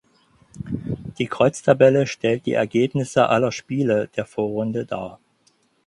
Die Kreuztabelle stellt die Ergebnisse aller Spiele der Vorrunde dar.